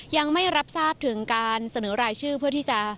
ยังไม่รับทราบถึงการเสนอรายชื่อเพื่อที่จะ